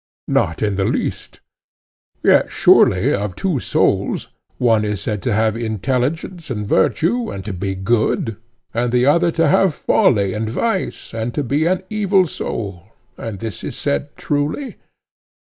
Not in the least. Yet surely of two souls, one is said to have intelligence and virtue, and to be good, and the other to have folly and vice, and to be an evil soul: and this is said truly?